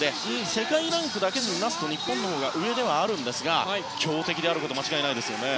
世界ランクだけで見ますと日本のほうが上ではありますが強敵であることは間違いないですよね。